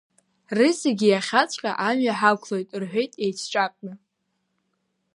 Рызегьы иахьаҵәҟьа амҩа ҳақәлоит рҳәеит еицҿакны.